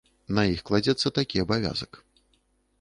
На іх кладзецца такі абавязак.